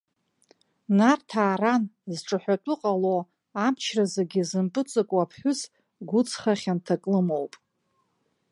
Нарҭаа ран, зҿаҳәатәы ҟало, амчра зегьы зымпыҵаку аԥҳәыс, гәыҵха хьанҭак лымоуп.